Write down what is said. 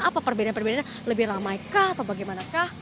apa perbedaan perbedaannya lebih ramai kah atau bagaimanakah